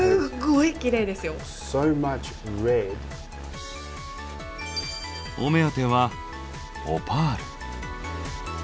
お目当てはオパール。